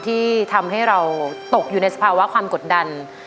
ที่ทำให้เราตกอยู่ในสภาวะความกดดัน